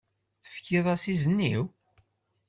Tefkiḍ-as izen-iw?